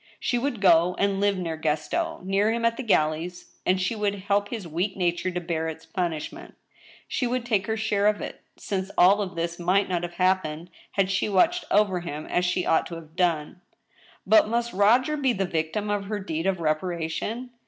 She would go and live near Gaston — ^near him at the galleys— and she would help his weak nature to bear its punishment. She would take her share of it, since all this might not have happened had she watched over him as she ought to have done. But must Roger be the victim of her deed of reparation